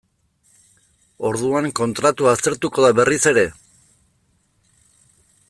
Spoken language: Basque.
Orduan kontratua aztertuko da berriz ere?